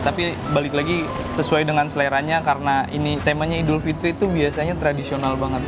tapi balik lagi sesuai dengan seleranya karena ini temanya idul fitri itu biasanya tradisional banget